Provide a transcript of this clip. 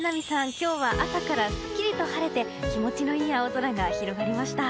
今日は朝からすっきりと晴れて気持ちのいい青空が広がりました。